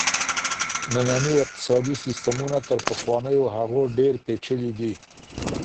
ننني اقتصادي سيستمونه تر پخوانيو هغو ډېر پېچلي دي.